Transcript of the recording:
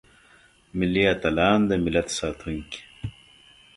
ملي اتلان دملت ساتونکي.